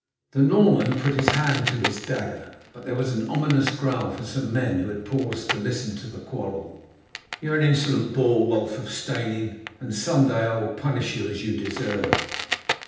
The Norman put his hand to his dagger, but there was an ominous growl from some men who had paused to listen to the quarrel. "You are an insolent boor, Wulf of Steyning, and some day I will punish you as you deserve."